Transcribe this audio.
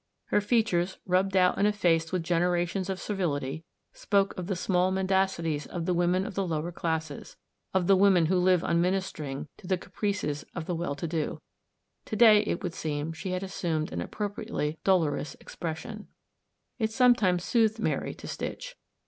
Her features, rubbed out and effaced with generations of servility, spoke of the small mendacities of the women of the lower classes, of the women who live on minister ing to the caprices of the well to do. To day 14 THE STORY OF A MODERN WOMAN. it would seem she had assumed an appropri ately dolorous expression. It sometimes soothed Mary to stitch.